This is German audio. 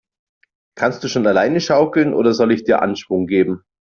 Kannst du schon alleine schaukeln, oder soll ich dir Anschwung geben?